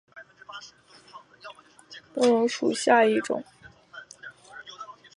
西南鬼灯檠为虎耳草科鬼灯檠属下的一个种。